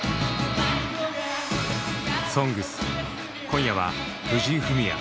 「ＳＯＮＧＳ」今夜は藤井フミヤ。